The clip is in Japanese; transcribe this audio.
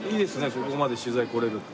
ここまで取材来られるって。